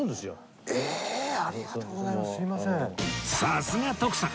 さすが徳さん！